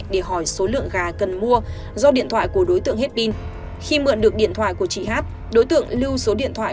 để hỏi số lượng gà cần mua do điện thoại của đối tượng hết pin khi mượn được điện thoại của chị hát đối tượng lưu số điện thoại